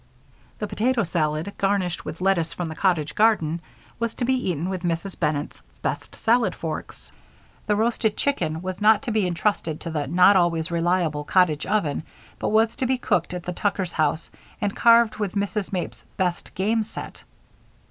The potato salad, garnished with lettuce from the cottage garden, was to be eaten with Mrs. Bennett's best salad forks The roasted chicken was not to be entrusted to the not always reliable cottage oven but was to be cooked at the Tuckers' house and carved with Mr. Mapes's best game set.